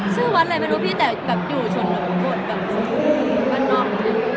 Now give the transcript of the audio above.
ชื่อวัดอะไรไม่รู้พี่แต่แบบอยู่ชนบนแบบว่านอก